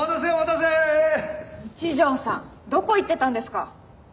どこ行ってたんですか？